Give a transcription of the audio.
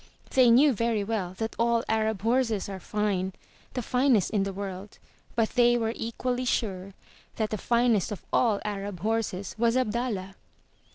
They knew very well that all Arab horses are fine, the finest in the world, but they were equally sure that the finest of all Arab horses was Abdallah